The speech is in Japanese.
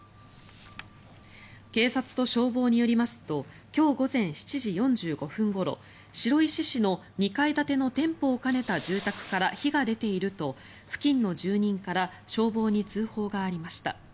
警察と消防によりますと今日午前７時４５分ごろ白石市の２階建ての店舗を兼ねた住宅から火が出ていると付近の住人から消防に通報がありました。